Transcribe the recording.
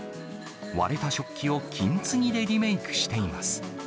割れた食器を金継ぎでリメークしています。